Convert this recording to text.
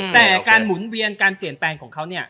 แต่การหมุนเวียนการเปลี่ยนแปลงของเขาเนี่ย